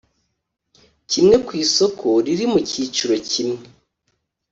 kimwe ku isoko riri mu cyiciro kimwe